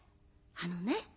あのね